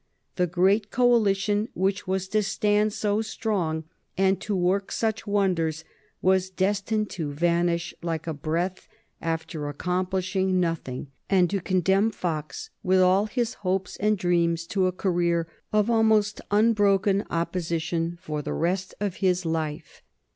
The great coalition which was to stand so strong and to work such wonders was destined to vanish like a breath after accomplishing nothing, and to condemn Fox with all his hopes and dreams to a career of almost unbroken opposition for the rest of his life.